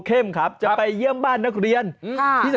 ปลอกไปแบบนี้คุณผู้ชม